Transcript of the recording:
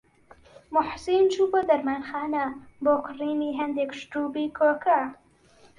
موحسین چوو بۆ دەرمانخانە بۆ کڕینی هەندێک شرووبی کۆکە.